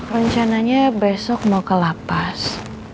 rencananya besok mau ke lapas